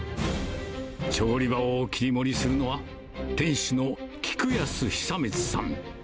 調理場を切り盛りするのは、店主の菊安久満さん。